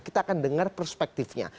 kita akan dengar perspektifnya